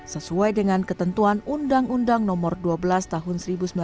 sesuai dengan ketentuan undang undang nomor dua belas tahun seribu sembilan ratus empat puluh